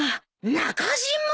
中島！